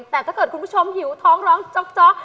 แต่ถ้าเกิดคุณผู้ชมหิวท้องร้องจ๊อก